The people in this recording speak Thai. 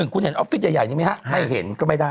คุณเห็นออฟฟิศใหญ่นี้ไหมฮะไม่เห็นก็ไม่ได้